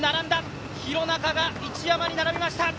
廣中が一山に並びました。